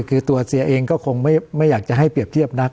คือตัวเซียเองก็คงไม่อยากจะให้เปรียบเทียบนัก